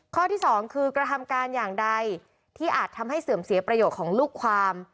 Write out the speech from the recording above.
ข้อที่สองคือกระทำการอย่างใดที่อาจทำให้เสื่อมเสียประโยชน์ของลูกความ